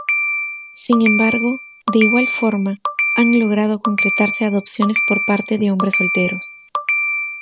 Sin embargo, de igual forma, han logrado concretarse adopciones por parte de hombres solteros.